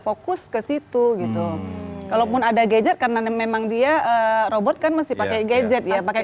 fokus ke situ gitu kalaupun ada gadget karena memang dia robot kan masih pakai gadget ya pakai